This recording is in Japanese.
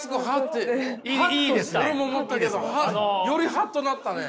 俺も思ったけどよりハッとなったね！